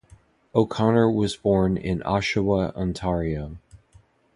O'Connor was born in Oshawa, Ontario.